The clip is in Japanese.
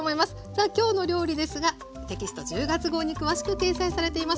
さあ今日の料理ですがテキスト１０月号に詳しく掲載されています。